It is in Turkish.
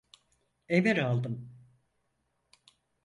Emir aldım.